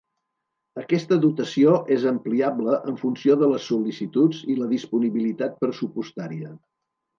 Aquesta dotació és ampliable en funció de les sol·licituds i la disponibilitat pressupostària.